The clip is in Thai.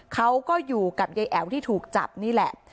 เขาก็อยู่กับยายแอ๋วที่ถูกจับนี่แหละ